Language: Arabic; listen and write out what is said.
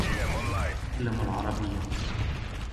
أتعلم العربية.